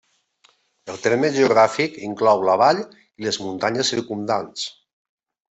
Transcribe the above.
El terme geogràfic inclou la vall i les muntanyes circumdants.